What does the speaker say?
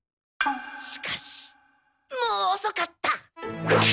しかしもうおそかった！